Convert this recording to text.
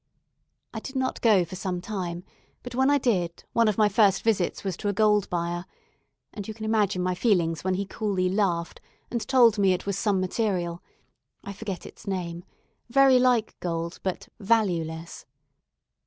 I did not go for some time; but when I did, one of my first visits was to a gold buyer; and you can imagine my feelings when he coolly laughed, and told me it was some material (I forget its name) very like gold, but valueless.